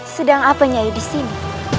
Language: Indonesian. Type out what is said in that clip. sedang apa nyai disini